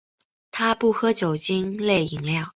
他不喝酒精类饮料。